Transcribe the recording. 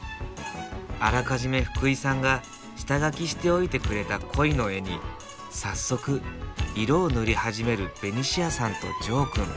あらかじめ福井さんが下書きしておいてくれた鯉の絵に早速色を塗りはじめるベニシアさんとジョーくん。